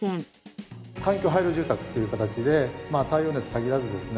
環境配慮住宅という形で太陽熱に限らずですね